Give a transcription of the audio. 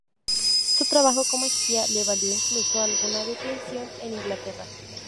Su trabajo como espía le valió incluso alguna detención en Inglaterra.